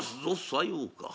「さようか。